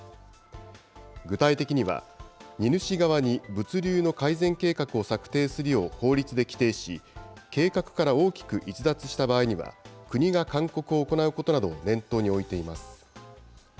具体的には、荷主側に物流の改善計画を策定するよう法律で規定し、計画から大きく逸脱した場合には、国が勧告を行うことなどを念頭に置いています。